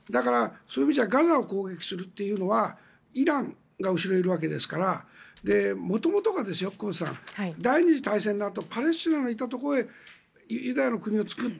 だから、ガザを攻撃するというのはイランが後ろにいるわけだから元々が第２次大戦のあとパレスチナのいたところでユダヤの国を作った。